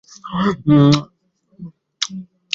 আমি একটু বাইরে থেকে ঘুরে আসছি।